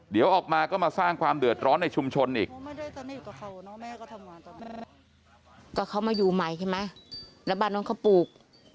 เดี๋ยวออกมาก็มาสร้างความเดือดร้อนในชุมชนอีก